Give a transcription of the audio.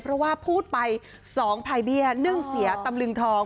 เพราะว่าพูดไป๒ภายเบี้ยนึ่งเสียตำลึงทอง